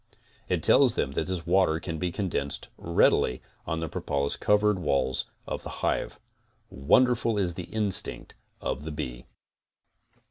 It tells them that this water can be condensed readily on the propolis covered walls of the hive. Wonderful is the instinct of the bee!